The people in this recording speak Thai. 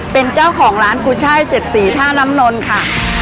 เป็นเจ้าของร้านกุ้ยช่ายเจ็ดสีท่าน้ำนนต์ค่ะ